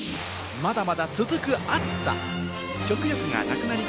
まだまだ続く暑さ。